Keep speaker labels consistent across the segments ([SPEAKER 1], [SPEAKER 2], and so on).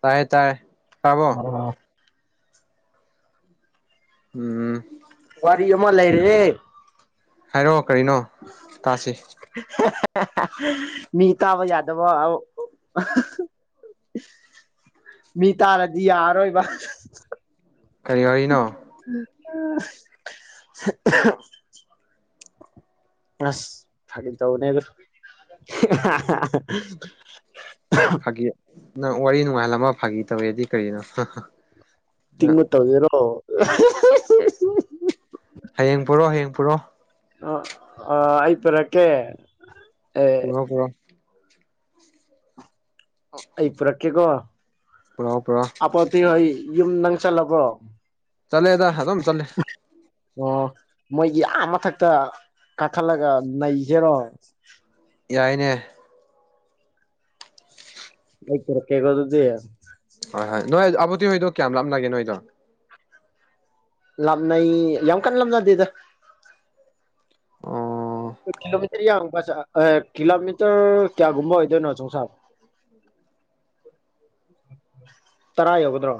[SPEAKER 1] ꯇꯥꯌꯦ ꯇꯥꯏ ꯇꯥꯕ꯭ꯔꫭ
[SPEAKER 2] ꯑꯣ
[SPEAKER 1] ꯎꯝ
[SPEAKER 2] ꯋꯥꯔꯤ ꯑꯃ ꯂꯩꯔꯦ
[SPEAKER 1] ꯍꯥꯏꯔꯛꯑꯣ ꯀꯔꯤꯅꯣ ꯇꯥꯁꯤ
[SPEAKER 2] ꯃꯤ ꯇꯥꯕ ꯌꯥꯗꯕ ꯑ ꯃꯤ ꯇꯥꯔꯗꯤ ꯌꯥꯔꯔꯣꯏꯕ
[SPEAKER 1] ꯀꯔꯤ ꯋꯥꯔꯤꯅꯣ
[SPEAKER 2] ꯑꯁ ꯐꯥꯒꯤ ꯇꯧꯕꯅꯦꯗ
[SPEAKER 1] ꯐꯥꯒꯤ ꯅꯪ ꯋꯥꯔꯤ ꯅꯨꯡꯉꯥꯏꯍꯜꯂꯝꯃꯒ ꯐꯥꯒꯤ ꯇꯧꯋꯦꯗꯤ ꯀꯔꯤꯅꯣ ꯍ ꯍ
[SPEAKER 2] ꯇꯤꯡꯕ ꯇꯧꯖꯦꯔꯣ [unintelligible]
[SPEAKER 1] ꯍꯌꯦꯡ ꯄꯨꯔꯣ ꯍꯌꯦꯡ ꯄꯨꯔꯣ
[SPEAKER 2] ꯑ ꯑ ꯑꯩ ꯄꯦꯔꯛꯀꯦ
[SPEAKER 1] [unintelligible]
[SPEAKER 2] ꯑꯩ ꯄꯨꯔꯛꯀꯦꯀꯣ
[SPEAKER 1] ꯄꯨꯔꯥꯎ ꯄꯨꯔꯣ
[SPEAKER 2] ꯑꯄꯣꯇꯤ ꯍꯣꯏ ꯌꯨꯝ ꯅꯪ ꯆꯠꯂꯕꯣ
[SPEAKER 1] ꯆꯠꯂꯦꯗ ꯑꯗꯨꯝ ꯆꯠꯂꯦ
[SPEAKER 2] ꯑꯣ ꯃꯣꯏꯒꯤ ꯑꯥ ꯃꯊꯛꯇ ꯀꯛꯊꯠꯂꯒ ꯅꯩꯁꯦꯔꯣ
[SPEAKER 1] ꯌꯥꯏꯅꯦ
[SPEAKER 2] ꯑꯩ ꯇꯧꯔꯛ ꯀꯦꯒꯣ ꯑꯗꯨꯗꯤ
[SPEAKER 1] ꯍꯣꯏ ꯍꯣꯏ ꯅꯣꯏ ꯑꯕꯨꯠꯇꯤ ꯍꯣꯏꯗꯣ ꯀꯌꯥꯝ ꯂꯥꯞꯅꯒꯦ ꯅꯣꯏꯗꯣ
[SPEAKER 2] ꯂꯥꯞꯅꯩ ꯌꯥꯝ ꯀꯟꯅ ꯂꯥꯞꯅꯗꯦꯗ
[SPEAKER 1] ꯑꯣ
[SPEAKER 2] ꯀꯤꯂꯣꯃꯤꯇꯔ ꯌꯥꯡꯕꯆ ꯀꯤꯂꯣꯃꯤꯇꯔ ꯀꯌꯥꯒꯨꯝꯃꯕ ꯑꯣꯏꯗꯣꯏꯅꯣ ꯆꯣꯡ ꯁꯥꯝ ꯇꯔꯥ ꯌꯧꯒꯗ꯭ꯔꯣ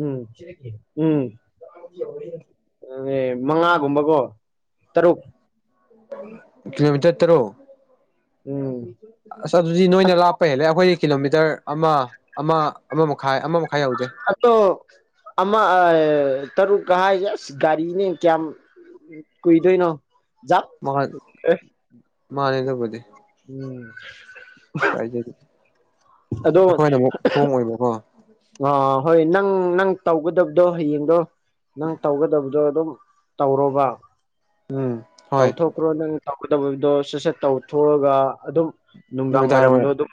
[SPEAKER 2] ꯎꯝ ꯎꯝ ꯑꯗꯨꯂꯦ ꯃꯉꯥꯒꯨꯝꯕꯀꯣ ꯇꯔꯨꯛ
[SPEAKER 1] ꯀꯤꯂꯣꯃꯤꯇꯔ ꯇꯔꯨꯛ
[SPEAKER 2] ꯎꯝ
[SPEAKER 1] ꯑꯁ ꯑꯗꯨꯗꯤ ꯅꯣꯏꯅ ꯂꯥꯞꯄ ꯍꯦꯜꯂꯦ ꯑꯩꯈꯣꯏꯒꯤ ꯀꯤꯂꯣꯃꯤꯇꯔ ꯑꯃ ꯑꯃ ꯑꯃꯃ
[SPEAKER 2] ꯑꯇꯣ ꯑꯃ ꯑꯥ ꯇꯔꯨꯛ ꯀ ꯍꯥꯏꯁꯦ ꯑꯁ ꯒꯥꯔꯤꯅꯦ ꯀꯌꯥꯝ ꯀꯨꯏꯗꯣꯏꯅꯣ ꯖꯥꯛ ꯑꯦ
[SPEAKER 1] ꯃꯥꯅꯦꯑꯗꯨꯕꯨꯗꯤ
[SPEAKER 2] ꯎꯝ
[SPEAKER 1] ꯀꯥꯏꯖꯗꯦ ꯑꯩꯈꯣꯏꯅ ꯑꯃꯨꯛ ꯍꯣꯡꯉꯣꯏꯕꯀꯣ
[SPEAKER 2] ꯑ ꯍꯣꯏ ꯍꯣꯏ ꯅꯪ ꯅꯪ ꯇꯧꯒꯗꯕꯗꯣ ꯍꯌꯦꯡꯗꯣ ꯅꯪ ꯇꯧꯒꯗꯕꯗꯣ ꯑꯗꯨꯝ ꯇꯧꯔꯣꯕ
[SPEAKER 1] ꯎꯝ ꯍꯣꯏ
[SPEAKER 2] ꯇꯧꯊꯣꯛꯈ꯭ꯔꯣ ꯅꯪ ꯇꯧꯒꯗꯕꯗꯣ ꯁꯠ ꯁꯠ ꯇꯧꯊꯣꯛꯑꯒ ꯑꯗꯨꯝ ꯅꯨꯡꯗꯥꯡ
[SPEAKER 1] ꯅꯨꯃꯤꯗꯥꯡ
[SPEAKER 2] ꯋꯥꯏꯔꯝꯗꯣ
[SPEAKER 1] ꯋꯥꯏꯔꯝ
[SPEAKER 2] ꯑꯗꯨꯝ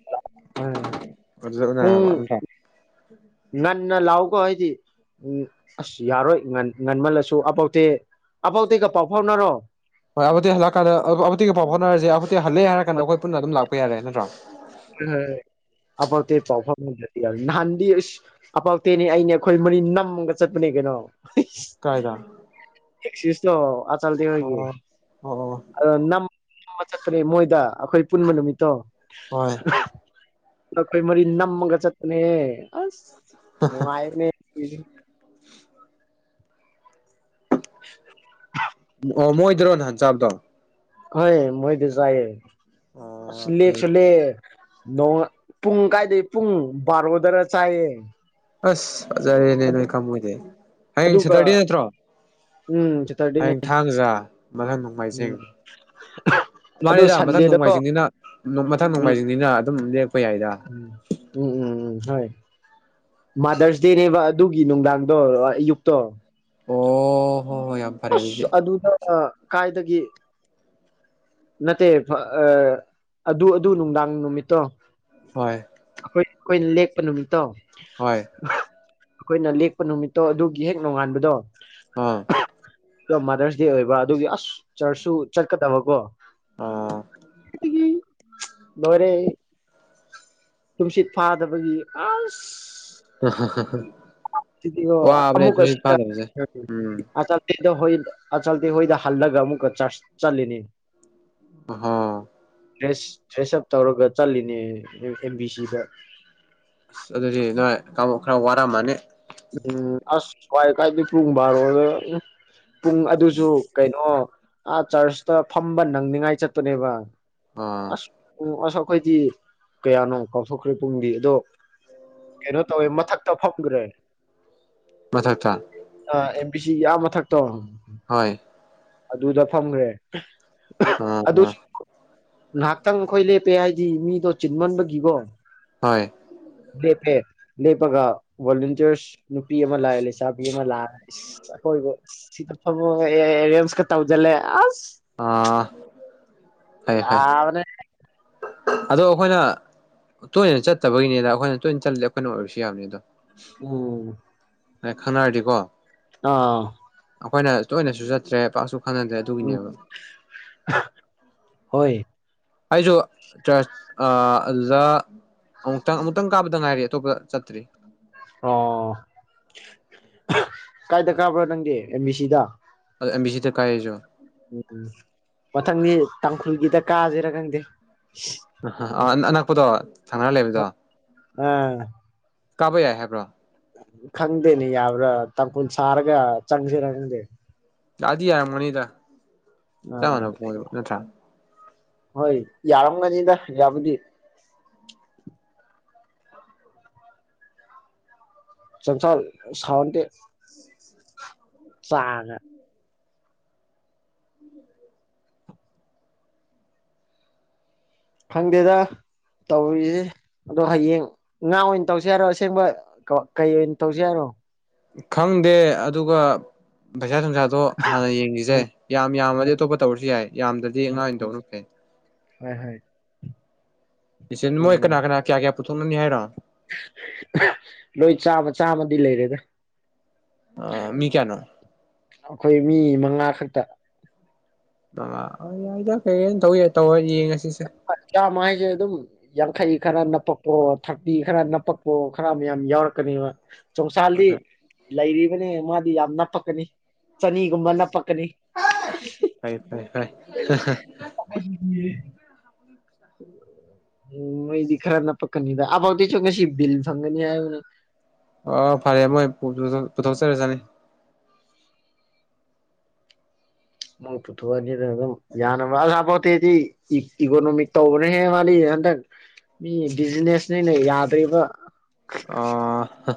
[SPEAKER 2] ꯍꯣꯏ
[SPEAKER 1] ꯑꯗꯨꯗ
[SPEAKER 2] ꯄꯨꯡ
[SPEAKER 1] ꯎꯅꯔꯕ ꯅꯠꯇ꯭ꯔꯥ
[SPEAKER 2] ꯉꯟꯅ ꯂꯥꯛꯎꯀꯣ ꯍꯥꯏꯗꯤ ꯎꯝ ꯑꯁ ꯌꯥꯔꯣꯏ ꯉꯟ ꯉꯟꯃꯜꯂꯁꯨ ꯑꯕꯧꯇꯦ ꯑꯕꯧꯇꯦꯒ ꯄꯥꯎ ꯐꯥꯎꯅꯔꯣ
[SPEAKER 1] ꯍꯣꯏ ꯑꯕꯧꯇꯤ ꯍꯂꯛ ꯑꯀꯥꯟꯗ ꯑꯕꯧ ꯑꯕꯧꯇꯦꯒ ꯄꯥꯎ ꯐꯥꯎꯅꯔꯁꯦ ꯍꯜꯂꯦ ꯍꯥꯏꯔꯥꯟꯗꯈ ꯄꯨꯟꯅ ꯑꯗꯨꯝ ꯂꯥꯛꯄ ꯍꯈ ꯌꯥꯔꯦ ꯅꯠꯇ꯭ꯔꯣ
[SPEAKER 2] ꯑ ꯄꯐꯝ ꯌꯥ ꯅꯍꯥꯟꯗꯤ ꯑꯁ ꯑꯄꯥꯛꯥꯎꯇꯦꯅꯤ ꯑꯩꯅꯦ ꯑꯩꯈꯣꯏ ꯃꯔꯤ ꯅꯝꯃꯒ ꯆꯠꯄꯅꯦ ꯀꯩꯅꯣ
[SPEAKER 1] ꯀꯥꯏꯗ
[SPEAKER 2] ꯁ ꯆ ꯍꯒꯤ
[SPEAKER 1] ꯑꯣ ꯑꯣ ꯑꯣ
[SPEAKER 2] ꯆꯠꯄꯅꯦ ꯃꯣꯏꯗ ꯑꯩꯈꯣꯏ ꯄꯨꯟꯕ ꯅꯨꯃꯤꯠꯇꯣ
[SPEAKER 1] ꯍꯣꯏ
[SPEAKER 2] ꯅꯈꯣꯏ ꯃꯔꯤ ꯅꯝꯃꯒ ꯆꯠꯄꯅꯦ ꯑꯁ ꯃꯥꯏꯅꯦ
[SPEAKER 1] ꯑꯣ ꯃꯣꯏꯗꯔꯣ ꯅꯍꯥꯟ ꯆꯥꯕꯗꯣ
[SPEAKER 2] ꯍꯣꯏ ꯃꯍꯤꯗꯁꯨꯑꯌꯦ
[SPEAKER 1] ꯑꯣ
[SPEAKER 2] ꯁꯤꯂꯦ
[SPEAKER 1] ꯐꯩ
[SPEAKER 2] ꯆꯂꯦ ꯅꯣꯡ ꯄꯨꯡ ꯀꯥꯏꯗꯒꯤꯩ ꯄꯨꯡ ꯕꯥꯔꯣꯗꯔ ꯆꯥꯏꯌꯦ
[SPEAKER 1] ꯑꯁ ꯐꯖꯔꯦꯅꯦ ꯅꯣꯏ ꯈꯝꯃꯣꯏꯗꯦ ꯍꯌꯦꯡ
[SPEAKER 2] ꯑꯗꯨꯒ
[SPEAKER 1] ꯁꯦꯇꯔꯗꯦ ꯅꯠꯇ꯭ꯔꯣ
[SPEAKER 2] ꯎꯝ ꯁꯦꯇꯔꯗꯦꯅꯦ
[SPEAKER 1] ꯍꯌꯦꯡ ꯊꯥꯡꯖꯥ ꯃꯊꯪ
[SPEAKER 2] ꯎꯝ
[SPEAKER 1] ꯅꯣꯡꯃꯥꯏꯖꯤꯡ
[SPEAKER 2] ꯑꯗꯣ
[SPEAKER 1] ꯃꯥꯅꯤꯗ ꯃꯊꯪ
[SPEAKER 2] ꯁꯟꯗꯦꯗꯀꯣ
[SPEAKER 1] ꯅꯣꯡꯃꯥꯏꯖꯤꯡꯅꯤꯅ ꯃꯊꯪ
[SPEAKER 2] ꯎꯝ
[SPEAKER 1] ꯅꯣꯡꯃꯥꯏꯖꯤꯡꯅꯤꯅ ꯑꯗꯨꯝ ꯌꯥꯏꯗ
[SPEAKER 2] ꯎꯝ ꯎꯝ ꯎꯝ ꯎꯝ ꯍꯣꯏ ꯃꯥꯗꯔꯁ ꯗꯦꯅꯦꯕ ꯑꯗꯨꯒꯤ ꯅꯨꯡꯗꯥꯡꯗꯣ ꯑꯌꯨꯛꯇꯣ
[SPEAKER 1] ꯑꯣ ꯍꯣꯏ ꯍꯣꯏ ꯌꯥꯝ ꯐꯔꯦ ꯑꯗꯨꯗꯤ
[SPEAKER 2] ꯑꯁ ꯑꯗꯨ ꯑꯗꯨꯗ ꯀꯥꯏ ꯗꯒꯤ ꯅꯠꯇꯦ ꯑꯗꯨ ꯑꯗꯨ ꯅꯨꯡꯗꯥꯡ ꯅꯨꯃꯤꯠꯇꯣ
[SPEAKER 1] ꯍꯣꯏ
[SPEAKER 2] ꯈꯣꯏ ꯑꯩꯣꯏ ꯂꯦ ꯄ ꯅꯨꯃꯤꯇꯥ
[SPEAKER 1] ꯍꯣꯏ
[SPEAKER 2] ꯑꯩꯈꯣꯏꯅ ꯂꯦꯛꯄ ꯅꯨꯃꯤꯠꯇꯣ ꯑꯗꯨꯒꯤ ꯍꯦꯛ ꯅꯣꯡꯉꯥꯟꯕꯗꯣ
[SPEAKER 1] ꯑꯥ
[SPEAKER 2] ꯃꯥꯗꯔꯁ ꯗꯦ ꯑꯣꯏꯕ ꯑꯗꯨꯒꯤ ꯑꯁ ꯆꯔꯆꯁꯨ ꯆꯠꯀꯗꯕꯀꯣ
[SPEAKER 1] ꯑꯥ
[SPEAKER 2] ꯂꯣꯔꯦ ꯨꯝꯁꯤꯠ ꯐꯥꯗꯕꯒꯤ ꯑ
[SPEAKER 1] ꯍꯔ
[SPEAKER 2] ꯑꯃꯃꯨꯀ
[SPEAKER 1] ꯐꯥꯗꯕꯁꯦ ꯎꯝ
[SPEAKER 2] ꯍꯣꯏꯗ ꯍꯣꯏ ꯑꯆꯜꯊꯤ ꯍꯣꯏꯗ ꯍꯜꯂꯒ ꯑꯃꯨꯛꯀ ꯆꯠꯂꯤꯅꯤ
[SPEAKER 1] ꯍꯥꯥ
[SPEAKER 2] ꯭ꯔꯦꯁ ꯐ꯭ꯔꯦꯁ ꯑꯞ ꯇꯧꯔꯒ ꯆꯠꯂꯤꯅꯦ ꯑꯦꯝ ꯕꯤ ꯁꯤꯗ
[SPEAKER 1] ꯑꯁ ꯑꯗꯨꯗꯤ ꯅꯣꯏ ꯀꯥꯡꯂꯨꯞ ꯈꯔ ꯋꯥꯔꯝꯃꯅꯤ
[SPEAKER 2] ꯎꯝ ꯑꯁ ꯀꯥꯏ ꯀꯥꯏꯗꯤ ꯄꯨꯡ ꯔꯣꯑꯣꯗ ꯄꯨꯡ ꯑꯗꯨꯁꯨ ꯀꯩꯅꯣ ꯑꯥ ꯆꯔꯆꯇ ꯐꯝꯕ ꯅꯪꯅꯤꯡꯉꯥꯏ ꯆꯠꯇꯄꯅꯦꯕ
[SPEAKER 1] ꯑꯣ
[SPEAKER 2] ꯑꯁ ꯎꯁ ꯑꯩꯈꯣꯏꯗꯤ ꯀꯌꯥꯅꯣ ꯀꯥꯎꯊꯣꯛꯈ꯭ꯔꯦ ꯄꯨꯡꯗꯤ ꯑꯗꯣ ꯀꯩꯅꯣ ꯇꯧꯋꯦ ꯃꯊꯛꯇ ꯐꯪꯈ꯭ꯔꯦ
[SPEAKER 1] ꯃꯊꯊ
[SPEAKER 2] ꯄꯤꯁꯤ ꯌꯥꯝ ꯃꯊꯛꯇ ꯇꯧ ꯑꯗꯨꯗ ꯐꯪꯈ꯭ꯔꯦ
[SPEAKER 1] ꯑꯝ ꯑ
[SPEAKER 2] ꯉꯍꯥꯛꯇꯪ ꯑꯩꯈꯣꯏ ꯂꯦꯞꯄꯦ ꯍꯥꯏꯗꯤ ꯃꯤꯗꯣ ꯆꯤꯟꯃꯟꯕꯒꯤꯀꯣ
[SPEAKER 1] ꯍꯣꯏ
[SPEAKER 2] ꯂꯩꯄꯦ ꯂꯩꯄꯒ ꯋꯥꯂꯟꯇꯤꯌꯔꯁ ꯅꯨꯄꯤ ꯑꯃ ꯂꯥꯛ ꯂꯩꯁꯥꯕꯤ ꯑꯃ ꯂꯥꯛꯑꯀꯣꯏꯕ ꯍ ꯑꯦꯦꯝꯁ ꯀ ꯇꯕꯨꯗꯦ ꯑ
[SPEAKER 1] ꯑꯥ ꯐꯩ ꯐꯩ
[SPEAKER 2] ꯌꯥꯕ
[SPEAKER 1] ꯑꯗꯣ ꯑꯩꯈꯣꯏꯅ ꯇꯣꯏꯅ ꯆꯠꯇꯕꯒꯤꯅꯤꯗ ꯑꯩꯈꯣꯏꯅ ꯇꯣꯏꯅ ꯆꯠꯂꯗꯤ ꯑꯩꯈꯣꯏꯅ ꯑꯣꯏꯔꯁꯨ ꯌꯥꯕꯅꯤ ꯑꯗꯣ
[SPEAKER 2] ꯎꯝ
[SPEAKER 1] ꯑꯦꯈꯅꯔꯗꯤ ꯀꯣ
[SPEAKER 2] ꯑꯥ
[SPEAKER 1] ꯑꯩꯈꯣꯏꯅ ꯇꯣꯏꯅꯁꯨ ꯆꯠꯇ꯭ꯔꯦ ꯄꯥꯛꯁꯨ ꯈꯪꯅꯗ꯭ꯔꯦ
[SPEAKER 2] ꯎꯝ
[SPEAKER 1] ꯑꯗꯨꯒꯤꯅꯦꯕ
[SPEAKER 2] ꯍꯣꯏ
[SPEAKER 1] ꯑꯩꯁꯨ ꯆꯔꯆ ꯑꯗꯨꯗ ꯑꯃꯨꯛꯇꯪ ꯑꯃꯨꯛꯇꯪ ꯀꯥꯕꯗ ꯉꯥꯏꯔꯤ ꯑꯇꯣꯞꯄꯗ ꯆꯠꯇ꯭ꯔꯤ
[SPEAKER 2] ꯑꯣ ꯀꯥꯏꯗ ꯀꯥꯕ꯭ꯔꯣ ꯅꯪꯗꯤ ꯑꯦꯝ ꯕꯤ ꯁꯤꯗ
[SPEAKER 1] ꯑꯗ ꯑꯦꯝ ꯕꯤ ꯁꯤꯗ ꯀꯥꯏ ꯑꯩꯁꯨ
[SPEAKER 2] ꯎꯝ ꯃꯊꯪꯗꯤ ꯇꯥꯡꯈꯨꯜꯒꯤꯗ ꯀꯥꯥꯁꯦꯔꯥ ꯈꯪꯗꯦ
[SPEAKER 1] [unintelligible] ꯄꯗꯣ ꯊꯪꯅꯔ ꯂꯩꯕꯗꯣ
[SPEAKER 2] ꯑꯪ
[SPEAKER 1] ꯀꯥꯕ ꯌꯥꯏ ꯍꯥꯏꯕ꯭ꯔꯣ
[SPEAKER 2] ꯈꯪꯗꯦꯅꯤ ꯌꯥꯕ꯭ꯔꯥ ꯇꯥꯡꯈꯨꯜ ꯁꯔꯒ ꯆꯪꯁꯤꯔ ꯈꯪꯗꯦ
[SPEAKER 1] ꯌꯥꯗꯤ ꯌꯥꯔꯝ ꯒꯅꯤꯗ
[SPEAKER 2] ꯑꯥ
[SPEAKER 1] [unintelligible]
[SPEAKER 2] ꯍꯣꯏ ꯌꯥꯔꯝꯒꯅꯤꯗ ꯌꯥꯕꯨꯗꯤ [unintelligible] [unintelligible] ꯈꯪꯗꯦꯗ ꯇꯧꯔꯤꯁꯦ ꯑꯗꯣ ꯍꯌꯦꯡ ꯉꯥ ꯑꯣꯏꯅ ꯇꯧꯁꯤ ꯍꯥꯏꯔꯣ ꯑꯁꯦꯡꯕ ꯀꯩ ꯑꯣꯏꯅ ꯇꯧꯁꯤ ꯍꯥꯏꯔꯣ
[SPEAKER 1] ꯈꯪꯗꯦ ꯑꯗꯨꯒ ꯄꯩꯁꯥ ꯅꯨꯡꯁꯥꯗꯣ ꯍꯥꯟꯅ ꯌꯦꯡꯒꯤꯁꯦ ꯌꯥꯝ ꯌꯥꯝꯃꯗꯤ
[SPEAKER 2] ꯎꯝ
[SPEAKER 1] ꯑꯇꯣꯞꯄ ꯇꯧꯔꯁꯨ ꯌꯥꯏ ꯌꯥꯝꯗ꯭ꯔꯗꯤ ꯉꯥ ꯑꯣꯏꯅ ꯇꯧꯕꯅ ꯐꯩ
[SPEAKER 2] ꯍꯣꯏ ꯍꯣꯏ
[SPEAKER 1] [unintelligible]
[SPEAKER 2] ꯎꯝ
[SPEAKER 1] ꯃꯣꯏ
[SPEAKER 2] ꯎꯝ
[SPEAKER 1] ꯀꯅꯥ ꯀꯅꯥ ꯀꯌꯥ ꯀꯌꯥ ꯄꯨꯊꯣꯛꯅꯅꯤ ꯍꯥꯏꯔꯣ
[SPEAKER 2] ꯂꯣꯏ ꯆꯥꯝꯃ ꯆꯥꯝꯃꯗꯤ ꯂꯩꯔꯦꯗ
[SPEAKER 1] ꯃꯤ ꯀꯌꯥꯅꯣ
[SPEAKER 2] ꯑꯩꯈꯣꯏ ꯃꯤ ꯃꯉꯥ ꯈꯛꯇ
[SPEAKER 1] [unintelligible]
[SPEAKER 2] ꯀꯌꯥꯝ ꯍꯥꯏꯖ‌ꯦ ꯑꯗꯨꯝ ꯌꯥꯡꯈꯩ ꯈꯔ ꯅꯞꯄꯛꯄꯣ ꯊꯥꯔꯇꯤ ꯈꯔ ꯅꯞꯄꯛꯄꯣ ꯈꯔ ꯃꯌꯥꯝ ꯌꯥꯎꯔꯛꯀꯅꯦꯕ
[SPEAKER 1] ꯍꯣꯏ
[SPEAKER 2] ꯆꯣꯡꯁꯥꯜꯗꯤ
[SPEAKER 1] ꯍꯣꯏ
[SPEAKER 2] ꯂꯩꯔꯤꯕꯅꯦ ꯃꯥꯗꯤ ꯌꯥꯝ ꯅꯞꯄꯛꯀꯅꯤ ꯆꯅꯤꯒꯨꯝꯕ ꯅꯞꯄꯛꯀꯅꯤ
[SPEAKER 1] ꯐꯩ [unintelligible]
[SPEAKER 2] [unintelligible] ꯎꯝ ꯃ‌ꯣꯏꯗꯤ ꯈꯔꯅꯞ ꯄꯛꯀꯅꯤꯗ [unintelligible] ꯉꯁꯤ ꯕꯤꯜ ꯐꯪꯒꯅꯤ ꯍꯥꯏꯕꯅꯤ
[SPEAKER 1] ꯑ‌ꯣ ꯐꯔꯦ ꯑꯃꯣꯏ [unintelligible] ꯄꯨꯊꯣꯛꯆꯔꯖꯥꯅꯤ
[SPEAKER 2] ꯃꯣꯏ ꯄꯨꯊꯣꯛꯑꯅꯤꯅ ꯑꯗꯨꯝ ꯌꯥꯅꯕ ꯑꯁꯥꯐꯥꯎꯠꯇꯤꯗꯤ ꯏꯛ ꯏꯀꯣꯅꯣꯃꯤꯛ ꯇꯧꯕꯅ ꯍꯦ ꯃꯥꯗꯤ ꯍꯟꯗꯛ ꯃꯤ ꯕꯤꯖꯤꯅꯦꯁꯅꯤꯅ ꯌꯥꯗ꯭ꯔꯦꯕ
[SPEAKER 1] ꯑ‌ꯣ ꯍꯥ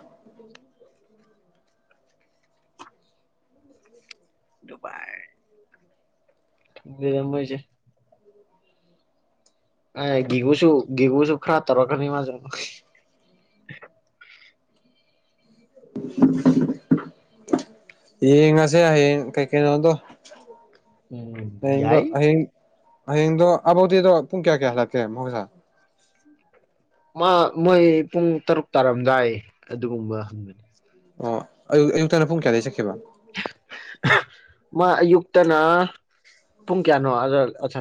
[SPEAKER 2] ꯗꯨꯕꯥꯏ ꯈꯪꯗꯦꯗ ꯃꯣꯏꯁ‌ꯦ ꯑꯦ ꯒꯤꯒꯨꯁꯨ ꯒꯤꯒꯨꯁꯨ ꯈꯔ ꯇꯔꯛꯀꯅꯤ ꯃꯥꯖꯨ
[SPEAKER 1] ꯌꯦꯉꯁꯦ ꯍꯌꯦ ꯀꯩ ꯀꯩꯩꯅꯣꯗꯣ
[SPEAKER 2] ꯎꯝ ꯌꯥꯏ
[SPEAKER 1] ꯍꯡꯗꯣ ꯑꯕꯥꯎꯗꯤꯗꯣ ꯄꯨꯡ ꯀꯌꯥ ꯀꯌꯥ ꯍꯏꯂꯥꯛꯀꯦ ꯃꯁ
[SPEAKER 2] ꯃꯣꯏ ꯄꯨꯡ ꯇꯔꯨꯛ ꯇꯥꯔꯝꯗꯥꯏ ꯑꯗꯨꯒꯨꯝꯕ ꯍꯪꯕꯅꯤ
[SPEAKER 1] ꯑꯣ ꯑꯌ ꯑꯌꯨꯛꯇꯪꯅ ꯄꯨꯡ ꯀꯌꯥꯗꯩ ꯆꯠꯈꯤ ꯈꯤꯕꯥ
[SPEAKER 2] ꯃꯥ ꯑꯌꯨꯛꯇꯅ ꯄꯨꯡ ꯀꯌꯥꯅꯣ ꯑꯁ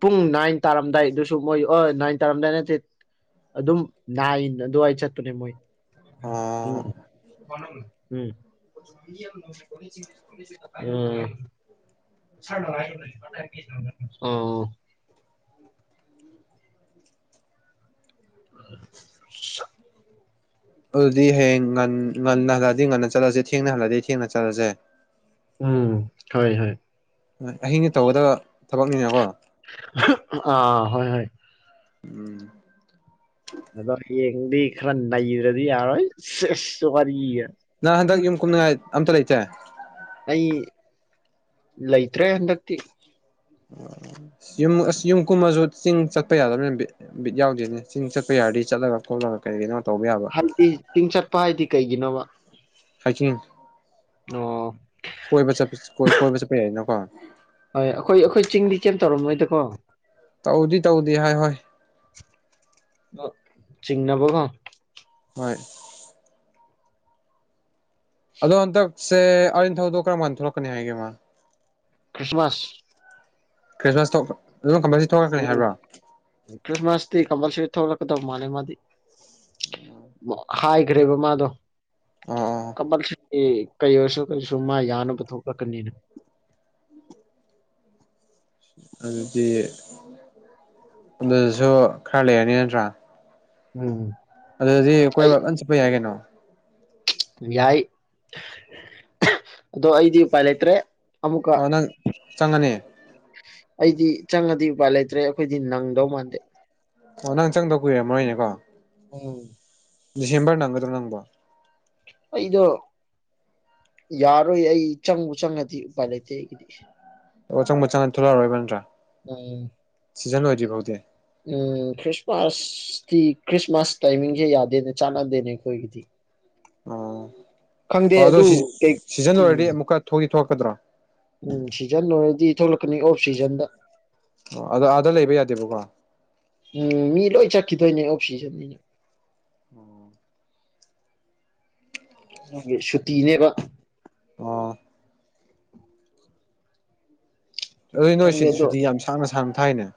[SPEAKER 2] ꯄꯨꯡ ꯅꯥꯏꯟ ꯇꯥꯔꯝꯗꯥꯏꯗꯨꯁꯨ ꯃꯣꯏ ꯑꯣ ꯅꯥꯏꯟ ꯇꯥꯔꯝꯗꯥꯏ ꯅꯠꯇꯦ ꯑꯗꯨꯝ ꯅꯥꯏꯟ ꯑꯗꯨꯋꯥꯏꯗ ꯆꯠꯄꯅꯦ ꯃꯣꯏ
[SPEAKER 1] ꯑꯣ
[SPEAKER 2] ꯎꯝ ꯎꯝ [unintelligible] [unintelligible]
[SPEAKER 1] ꯑꯗꯨꯗꯤ ꯍꯌꯦꯡ ꯉ ꯉꯟꯅ ꯍꯜꯂꯗꯤ ꯉꯟꯅ ꯆꯠꯂꯁꯦ ꯊꯦꯡꯅꯍꯜꯂꯗꯤ ꯊꯦꯡꯅ ꯆꯠꯂꯁꯦ
[SPEAKER 2] ꯎꯝ ꯍ‌ꯣꯏ ꯍꯣꯏ
[SPEAKER 1] ꯑꯍꯤꯡꯅ ꯇꯧꯒꯗꯕ ꯊꯕꯛꯅꯤꯅꯀꯣ
[SPEAKER 2] ꯑꯥ ꯍꯣꯏ ꯍꯣꯏ
[SPEAKER 1] ꯎꯝ꯫
[SPEAKER 2] ꯑꯗ ꯍꯌꯦ ꯗꯤ ꯈꯔ ꯅꯏꯗ꯭ꯔꯗꯤ ꯌꯥꯔ ꯍꯣꯏ ꯁꯤꯁ ꯋꯥꯔꯤ
[SPEAKER 1] ꯅꯪ ꯍꯟꯗꯛ ꯌꯨꯝ ꯀꯨꯝꯅꯤ ꯑꯝꯇ ꯂꯩꯇꯦ
[SPEAKER 2] ꯑꯩ ꯂꯩꯇ꯭ꯔꯦ ꯍꯟꯗꯛꯇꯤ꯫
[SPEAKER 1] ꯎ ꯌꯨꯝ ꯑꯁ ꯌꯨꯝ ꯀꯨꯝꯃꯁꯨ ꯆꯤꯡ ꯆꯠꯄ ꯌꯥꯗꯕꯅꯤꯅ ꯕꯤꯠ ꯕꯤꯠ ꯌꯥꯎꯗꯦꯅꯦ ꯆꯤꯡ ꯆꯠꯄ ꯌꯥꯔꯗꯤ ꯆꯠꯂꯒ ꯈꯣꯠꯂꯒ ꯀꯔꯤ ꯀꯅꯣ
[SPEAKER 2] [unintelligible] ꯆꯤꯡ ꯆꯠꯄ ꯍꯥꯏꯗꯤ ꯀꯩꯒꯤꯅꯣꯕꯥ?
[SPEAKER 1] [unintelligible] ꯀꯣꯏꯕ ꯆꯠꯄ ꯀꯣꯏꯕ ꯆꯠꯄ ꯌꯥꯏꯅꯀꯣ
[SPEAKER 2] ꯍꯣꯏ ꯑꯩꯈꯣꯏ - ꯑꯩꯈꯣꯏ ꯆꯤꯡꯗꯤ ꯀꯩꯝ ꯇꯧꯔꯝꯃꯣꯏꯗꯀꯣ꯫
[SPEAKER 1] ꯇꯧꯗꯤ - ꯇꯧꯗꯤ ꯍꯥꯏ ꯍꯣꯏ꯫
[SPEAKER 2] ꯑ ꯆꯤꯡꯅꯕ ꯀꯣ ꯫
[SPEAKER 1] ꯍꯣꯏ꯫ ꯑꯗꯣ ꯍꯟꯗꯛꯁꯦ ꯑꯔꯤꯟꯊꯧꯗꯣ ꯀꯔꯝꯀꯥꯟ ꯊꯣꯛꯂꯛꯀꯅꯤ ꯍꯥꯏꯒꯦ ꯃꯥ?
[SPEAKER 2] ꯈ꯭ꯔꯤꯁꯃꯥꯁ
[SPEAKER 1] ꯈ꯭ꯔꯤꯁꯃꯁꯇ ꯑꯗꯨ ꯀꯝꯕꯁꯤ ꯊꯣꯛꯂꯛꯀꯅꯤ
[SPEAKER 2] ꯎꯝ
[SPEAKER 1] ꯍꯥꯏꯕ꯭ꯔꯣ?
[SPEAKER 2] ꯈ꯭ꯔꯤꯁꯃꯥꯁꯇꯤ ꯀꯝꯄꯜꯁꯔꯤ ꯊꯣꯛꯂꯛꯀꯗꯧ ꯃꯥꯜꯂꯦ ꯃꯥꯗꯤ
[SPEAKER 1] ꯑꯣ
[SPEAKER 2] ꯍꯥꯏꯈ꯭ꯔꯦꯕ ꯃꯥꯗꯣ
[SPEAKER 1] ꯑꯣ
[SPEAKER 2] [unintelligible] ꯑꯦ ꯀꯩ ꯑꯣꯏꯔꯁꯨ ꯀꯩꯁꯨ ꯃꯥ ꯌꯥꯅꯕ ꯊꯣꯛꯂꯛꯀꯅꯤꯅ꯫
[SPEAKER 1] ꯑꯗꯨꯗꯤ ꯑꯗꯨꯁꯨ ꯈꯔ ꯂꯩꯔꯅꯤ ꯅꯠꯇ꯭ꯔꯥ꯫
[SPEAKER 2] ꯎꯝ꯫
[SPEAKER 1] ꯑꯗꯨꯗꯤ
[SPEAKER 2] ꯑꯩ
[SPEAKER 1] ꯑꯩꯈꯣꯏꯕꯥꯛ ꯀꯟ ꯆꯠꯄ ꯌꯥꯏꯒꯩꯅꯣ ꯫
[SPEAKER 2] ꯌꯥꯏ ꯑꯗꯣ ꯑꯩꯗꯤ ꯎꯄꯥꯥꯏ ꯂꯩꯇ꯭ꯔꯦ꯫ ꯑꯃꯨꯛꯀ
[SPEAKER 1] ꯑꯣ ꯅꯪ ꯆꯪꯉꯅꯤ
[SPEAKER 2] ꯑꯩꯗꯤ ꯆꯪꯉꯗꯤ ꯎꯄꯥꯏ ꯂꯩꯇ꯭ꯔꯦ ꯑꯩꯈꯣꯏꯗꯤ ꯅꯪꯗꯧ ꯃꯥꯟꯗꯦ
[SPEAKER 1] ꯑꯣ ꯅꯪ ꯆꯪꯗ ꯀꯨꯏꯔꯝꯃꯣꯏꯅꯦꯀꯣ꯫
[SPEAKER 2] ꯎꯝ꯫
[SPEAKER 1] ꯗꯤꯁꯦꯝꯕꯔ ꯅꯪꯒꯗ꯭ꯔꯣ ꯅꯪꯕꯨ?
[SPEAKER 2] ꯑꯩꯗꯣ ꯌꯥꯔꯣꯏ ꯑꯩ ꯆꯪꯕꯨ ꯆꯪꯉꯗꯤ ꯎꯄꯥꯏ ꯂꯩꯇꯦ ꯑꯩꯒꯤꯗꯤ꯫
[SPEAKER 1] ꯑꯣ ꯆꯪꯕ ꯆꯪꯉ ꯊ ꯊꯣꯛꯂꯛꯔꯣꯏ ꯅꯠꯇꯔꯥ?
[SPEAKER 2] ꯑ꯫
[SPEAKER 1] ꯁꯤꯖꯟ ꯑꯣꯏꯗ꯭ꯔꯤ ꯐꯥꯎꯗꯤ
[SPEAKER 2] ꯎꯝ ꯈ꯭ꯔꯤꯁꯃꯥꯁꯇꯤ ꯈ꯭ꯔꯤꯁꯃꯥꯁ ꯇꯥꯏꯃꯤꯡꯁꯦ ꯌꯥꯗꯦꯅꯦ ꯆꯥꯟꯅꯗꯦꯅꯦ ꯑꯩꯈꯣꯏꯒꯤꯗꯤ꯫
[SPEAKER 1] ꯑꯣ
[SPEAKER 2] ꯈꯪꯗꯦ
[SPEAKER 1] ꯑꯣ
[SPEAKER 2] ꯑꯗꯨ ꯀꯩ ꯎꯝ
[SPEAKER 1] ꯊꯣꯛꯂꯛ ꯀꯗ꯭ꯔꯥ?
[SPEAKER 2] ꯎꯝ ꯁꯤꯖꯟ ꯑꯣꯏꯔꯗꯤ ꯊꯣꯛꯂꯛꯀꯅꯤ ꯑꯣꯐ ꯁꯤꯖꯟꯗ꯫
[SPEAKER 1] ꯑꯣ ꯑꯗꯣ ꯑꯥꯗ ꯂꯩꯕ ꯌꯥꯗꯦꯕꯀꯣ꯫
[SPEAKER 2] ꯎꯝ ꯃꯤ ꯂꯣꯏ ꯆꯠꯈꯤꯗꯣꯏꯅꯦ ꯑꯣꯞꯁꯤꯁꯟ
[SPEAKER 1] ꯎꯝ
[SPEAKER 2] ꯒꯤ ꯁꯨꯇꯤꯅꯦꯕ
[SPEAKER 1] ꯑ ꯑꯗꯨꯗꯤ ꯅꯣꯏ
[SPEAKER 2] ꯈꯪꯗꯦ ꯑꯗꯣ
[SPEAKER 1] ꯁꯨꯇꯤ ꯌꯥꯝ ꯁꯥꯡꯅ ꯁꯥꯡꯅ ꯊꯥꯏꯅꯦ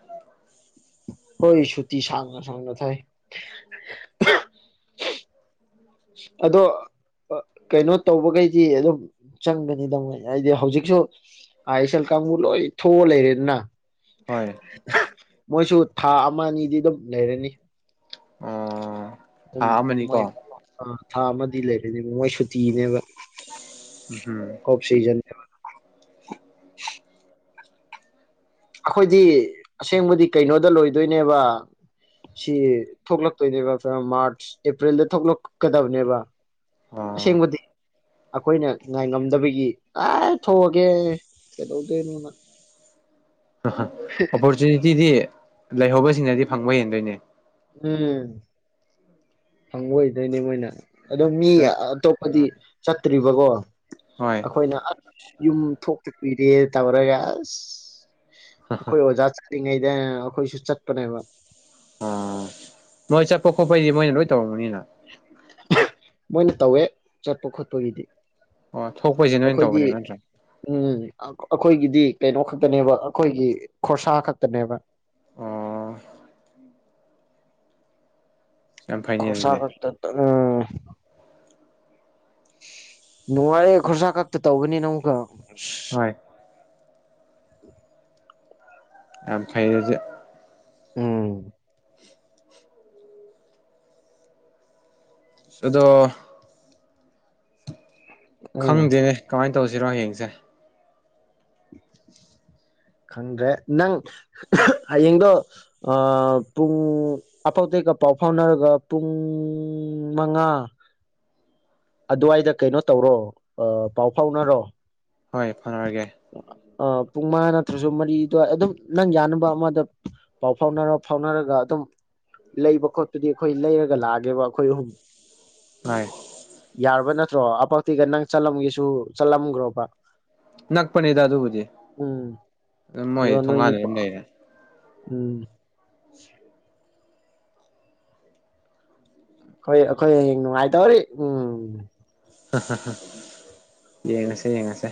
[SPEAKER 2] ꯍꯣꯏ ꯁꯨꯇꯤ ꯁꯥꯡꯅ ꯁꯥꯡꯅ ꯊꯥꯏ ꯑꯗꯣ ꯀꯩꯅꯣ ꯇꯧꯕꯈꯩꯗꯤ ꯑꯗꯨꯝ ꯆꯪꯒꯅꯤꯗ ꯃꯤꯏ ꯍꯥꯏꯗꯤ ꯍꯧꯖꯤꯛꯁꯨ ꯑꯥꯏ ꯑꯦꯁ ꯑꯦꯜ ꯀꯥꯡꯕꯨ ꯂꯣꯏ ꯊꯣꯛꯑ ꯂꯩꯔꯦꯗꯅ
[SPEAKER 1] ꯍꯣꯏ
[SPEAKER 2] ꯃꯣꯏꯁꯨ ꯊꯥ ꯑꯃ ꯑꯅꯤꯗꯤ ꯑꯗꯨꯝ ꯂꯩꯔꯅꯤ
[SPEAKER 1] ꯑ
[SPEAKER 2] ꯃꯣꯏ ꯊꯥ ꯑꯃꯗꯤ ꯂꯩꯔꯅꯤꯕ ꯃꯣꯏ ꯁꯨꯇꯤꯅꯦꯕ
[SPEAKER 1] ꯎꯝ
[SPEAKER 2] ꯑꯣꯐ ꯁꯤꯖꯟ ꯑꯈꯣꯏꯗꯤ ꯑꯁꯦꯡꯕꯗꯤ ꯀꯩꯅꯣꯗ ꯂꯣꯏꯗꯣꯏꯅꯦꯕ ꯁꯤ ꯊꯣꯛꯂꯛꯇꯣꯏꯅꯦꯕ ꯃꯥꯔꯆ ꯑꯦꯄ꯭ꯔꯤꯜꯗ ꯊꯣꯛꯂꯛꯀꯗꯕꯅꯦꯕ
[SPEAKER 1] ꯑ
[SPEAKER 2] ꯑꯈꯣꯏꯅ ꯉꯥꯏ ꯉꯝꯗꯕꯒꯤ ꯑꯥꯏ ꯊꯣꯛꯑꯒꯦ ꯀꯩꯗꯧꯗꯣꯏꯅꯣꯅ
[SPEAKER 1] ꯑꯣꯄꯨꯔꯆꯤꯅꯤꯇꯤ ꯗꯤꯗꯤ ꯂꯩꯍꯧꯕꯁꯤꯡꯅꯗꯤ ꯐꯪꯕ ꯍꯦꯟꯗꯣꯏꯅꯦ
[SPEAKER 2] ꯎꯝ ꯐꯪꯕ ꯑꯣꯏꯗꯣꯏꯅꯦ ꯃꯣꯏꯅ ꯑꯗꯣ ꯃꯤ ꯑꯇꯣꯞꯄꯗꯤ ꯆꯠꯇ꯭ꯔꯤꯕꯀꯣ
[SPEAKER 1] ꯍꯣꯏ
[SPEAKER 2] ꯑꯈꯣꯏꯅ ꯑꯁ ꯌꯨꯝ ꯊꯣꯛ ꯄꯤꯔꯛꯑꯦ ꯇꯧꯔꯒ ꯑꯈꯣꯏ ꯑꯣꯖꯥ ꯆꯠꯂꯤꯉꯩꯗ ꯑꯈꯣꯏꯁꯨ ꯆꯠꯄꯅꯦꯕ
[SPEAKER 1] ꯑꯥ ꯃꯣꯏ ꯆꯠꯄ ꯈꯣꯠꯄꯩꯗꯤ ꯃꯣꯏꯅ ꯂꯣꯏ ꯇꯧꯔꯝꯒꯅꯤꯅ
[SPEAKER 2] ꯃꯣꯏꯅ ꯇꯧꯋꯦ ꯆꯠꯄ ꯈꯣꯠꯄꯒꯤꯗꯤ
[SPEAKER 1] ꯑꯣ ꯊꯣꯛꯄꯩꯁꯦ ꯅꯣꯏꯅ ꯇꯧꯕꯅꯦꯕ ꯅꯠꯇ꯭ꯔꯥ
[SPEAKER 2] ꯑꯈꯣꯏꯒꯤꯗꯤ ꯀꯩꯅꯣ ꯈꯛꯇꯅꯦꯕ ꯑꯈꯣꯏꯒꯤ ꯈꯣꯔꯁꯥ ꯈꯛꯇꯅꯦꯕ
[SPEAKER 1] ꯑꯣ ꯌꯥꯝ ꯐꯩꯅꯦ ꯑꯗꯨꯗꯤ
[SPEAKER 2] ꯈꯣꯔꯁꯥꯈꯛꯇ ꯎꯝ ꯅꯨꯡꯉꯥꯏꯔꯦ ꯈꯣꯔꯁꯥ ꯈꯛꯇ ꯇꯧꯕꯅꯤ ꯅ ꯑꯃꯨꯛꯀ ꯑꯁ
[SPEAKER 1] ꯍꯣꯏ
[SPEAKER 2] [unintelligible]
[SPEAKER 1] ꯑ ꯐꯩꯌꯦꯁꯤ
[SPEAKER 2] ꯎꯝ
[SPEAKER 1] ꯑꯗꯣ
[SPEAKER 2] ꯎꯝ
[SPEAKER 1] ꯈꯪꯗꯦꯅꯦ ꯀꯃꯥꯏꯅ ꯇꯧꯁꯤꯔꯣ ꯍꯌ‌ꯦꯡꯁꯦ
[SPEAKER 2] ꯈꯪꯗ꯭ꯔꯦ ꯅꯪ ꯍꯌꯦꯡꯗꯣ ꯄꯨꯡ ꯑꯐꯥꯎꯇꯩꯩꯒ ꯄꯥꯎ ꯐꯥꯎꯅꯔꯒ ꯄꯨꯡ ꯃꯉꯥ ꯑꯗꯨꯋꯥꯏꯗ ꯀꯩꯅꯣ ꯇꯧꯔꯣ ꯄꯥꯎ ꯐꯥꯎꯅꯔꯣ
[SPEAKER 1] ꯍꯣꯏ ꯐꯥꯩꯅꯔꯒꯦ
[SPEAKER 2] ꯑꯥ ꯄꯨꯡ ꯃꯉꯥ ꯅꯠꯇ꯭ꯔꯁꯨ ꯃꯔꯤ ꯑꯗꯨꯋꯥꯏ ꯑꯗꯨꯝ ꯅꯪ ꯌꯥꯅꯕ ꯑꯃꯗ ꯄꯥꯎ ꯐꯥꯎꯅꯔ ꯐꯥꯎꯅꯔꯒ ꯑꯗꯨꯝ ꯂꯩꯕ ꯈꯣꯠꯄꯗꯤ ꯑꯩꯈꯣꯏ ꯂꯩꯔꯒ ꯂꯥꯛꯑꯒꯦꯕ ꯑꯩꯈꯣꯏ ꯑꯍꯨꯝ
[SPEAKER 1] ꯍ‌ꯣꯏ
[SPEAKER 2] ꯌꯥꯔꯕ ꯅꯠꯇ꯭ꯔꯣ ꯑꯄꯛꯇꯤꯒ ꯅꯪ ꯆꯠꯂꯝꯒꯦꯁꯨ ꯆꯠꯂꯝꯈ꯭ꯔꯣꯕ
[SPEAKER 1] ꯅꯛꯄꯅꯤꯗ ꯑꯗꯨꯕꯨꯗꯤ
[SPEAKER 2] ꯎꯝ
[SPEAKER 1] ꯑꯗꯨꯝ ꯃꯣꯏ
[SPEAKER 2] ꯑꯗꯣ ꯅꯣꯏꯅꯤ
[SPEAKER 1] ꯊꯣꯡꯒꯥꯟꯅ ꯑꯗꯨꯝ ꯂꯩꯔꯦ
[SPEAKER 2] ꯎꯝ ꯑꯩꯈꯣꯏ ꯑꯩꯈꯣꯏ ꯍꯌꯦꯡ ꯅꯨꯡꯉꯥꯏꯇꯧꯔꯤ ꯎꯝ
[SPEAKER 1] [unintelligible] ꯌꯦꯡꯉꯁꯦ ꯌꯦꯡꯉꯁꯦ